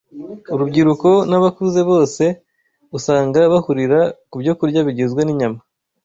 Urubyiruko n’abakuze bose usanga bahurira ku byokurya bigizwe n’inyama